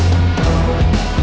masih lu nunggu